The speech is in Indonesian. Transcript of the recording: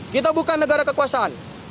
kita bukan negara kekuasaan